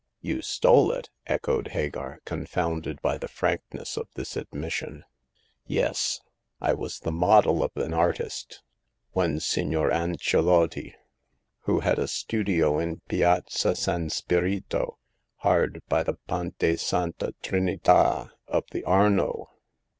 " You stole it !" echoed Hagar, confounded by the frankness of this admission. " Yes. I was the model of an artist — one Signor Ancillotti, who had a studio in Piazza San Spirito, hard by the Ponte Santa Trinita of the Arno.